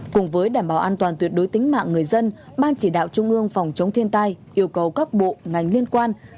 cùng với đảm bảo an toàn tuyệt đối tính mạng người dân ban chỉ đạo trung ương phòng chống thiên tai yêu cầu các bộ ngành liên quan